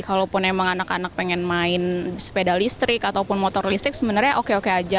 kalaupun emang anak anak pengen main sepeda listrik ataupun motor listrik sebenarnya oke oke aja